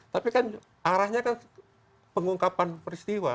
tapi kan arahnya kan pengungkapan peristiwa